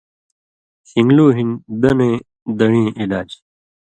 شِنگلُو ہِن دنَیں دڑیں علاج